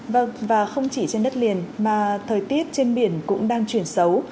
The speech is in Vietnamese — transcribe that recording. vâng và không chỉ trên đất liền mà thời tiết trên biển cũng đang chuyển xấu